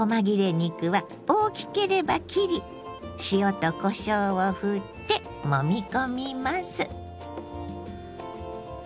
肉は大きければ切り塩とこしょうをふってもみ込みます。